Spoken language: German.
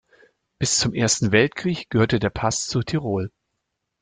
Bis zum Ersten Weltkrieg gehörte der Pass zu Tirol.